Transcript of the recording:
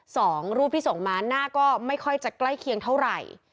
สองรูปที่ส่งมาหน้าก็ไม่ค่อยจะใกล้เคียงเท่าไหร่